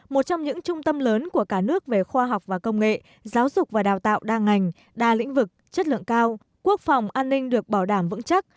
một trong những trung tâm lớn của cả nước về khoa học và công nghệ giáo dục và đào tạo đa ngành đa lĩnh vực chất lượng cao quốc phòng an ninh được bảo đảm vững chắc